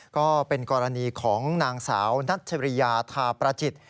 ก็เป็นกรณีของนางสาวนัชริยาทาประจิต